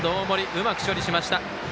うまく処理しました。